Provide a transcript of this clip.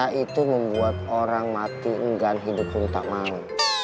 karena itu membuat orang mati enggan hidup pun tak mau